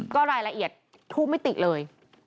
ก็รายละเอียดทุกมิติเลย